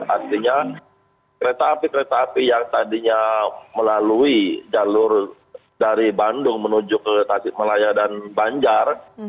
artinya kereta api kereta api yang tadinya melalui jalur dari bandung menuju ke tasik melayu dan banjar